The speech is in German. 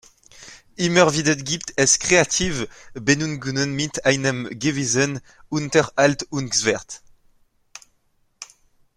Immer wieder gibt es kreative Benennungen mit einem gewissen „Unterhaltungswert“.